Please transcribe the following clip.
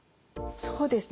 そうですね。